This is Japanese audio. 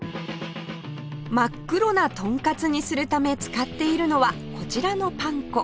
真っ黒なトンカツにするため使っているのはこちらのパン粉